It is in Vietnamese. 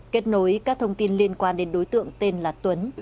kết nối các thông tin liên quan đến đối tượng tên là tuấn